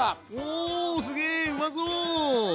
おすげうまそう！